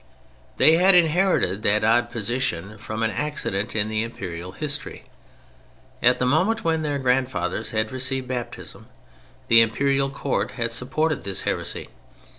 They had inherited that odd position from an accident in the Imperial history. At the moment when their grandfathers had received Baptism the Imperial Court had supported this heresy.